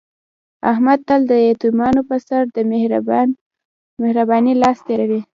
احمد تل د یتیمانو په سر د مهر بانۍ لاس تېروي.